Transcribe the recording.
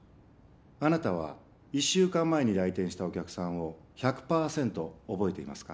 あなたは１週間前に来店したお客さんを１００パーセント覚えていますか？